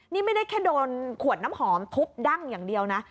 นี่ไม่ได้แค่โดนขวดน้ำหอมทุบดั้งอย่างเดียวนะ